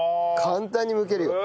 簡単にむけるよ。